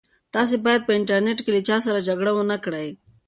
تاسي باید په انټرنيټ کې له چا سره جګړه ونه کړئ.